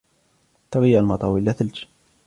تغير المطر إلى ثلج.